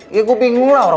ya aku bingung lah orang